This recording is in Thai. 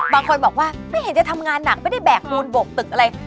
บางคนบอกว่าไม่เห็นจะทำงานหนักไม่ได้แบกปูนบกตึกอะไร